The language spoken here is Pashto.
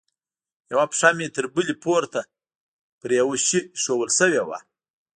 يوه پښه مې تر بلې پورته پر يوه شي ايښوول سوې وه.